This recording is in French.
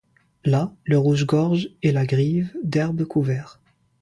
Là, le rouge-gorge et la grive, d'herbe couverts